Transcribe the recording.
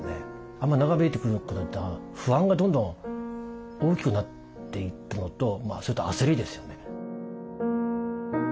あんまり長引いてくることって不安がどんどん大きくなっていったのとそれと焦りですよね。